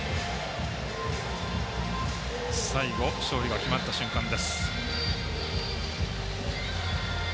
最後、勝利が決まった瞬間です。